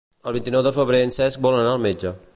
El vint-i-nou de febrer en Cesc vol anar al metge.